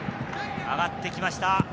上がってきました。